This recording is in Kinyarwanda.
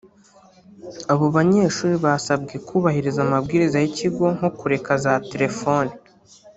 Abo banyeshuri basabwe kubahiriza amabwiriza y’ikigo nko kureka za telefoni